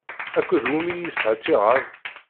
Akked wumi i yesɛa ttiɛad?